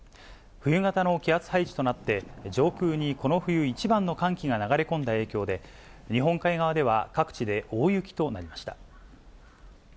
冬型の気圧配置となって、上空にこの冬一番の寒気が流れ込んだ影響で、日本海側では各地で大雪となりました。